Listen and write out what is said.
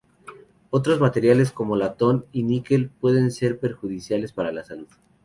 Otros materiales como latón y níquel pueden ser perjudiciales para la salud.